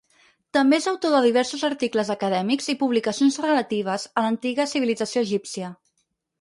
També és autor de diversos articles acadèmics i publicacions relatives a l'antiga civilització egípcia.